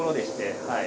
はい。